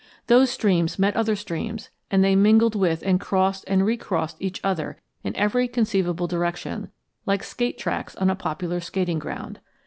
Those streams met other streams, and they mingled with and crossed and recrossed each other in every conceivable direction, like skate tracks on a popular skating ground.